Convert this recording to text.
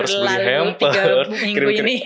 setelah berlalu tiga minggu ini